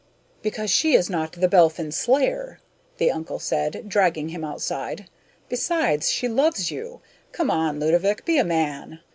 "Because she is not The Belphin slayer," the uncle said, dragging him out. "Besides, she loves you. Come on, Ludovick, be a man."